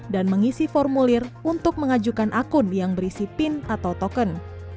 dan mengisi formulir untuk mengajukan akun yang berisi pin atau token